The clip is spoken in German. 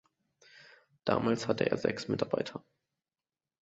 Damals hatte er sechs Mitarbeiter.